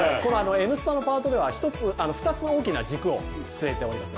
「Ｎスタ」のパートでは２つ大きな軸を据えております。